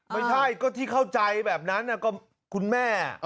ไม่ใช่ก็ที่เข้าใจแบบนั้นก็คุณแม่